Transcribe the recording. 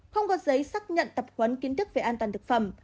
không có giấy xác nhận tập huấn kiến thức về an toàn thực phẩm